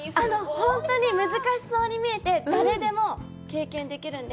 本当に難しそうに見えて誰でも経験できるんで。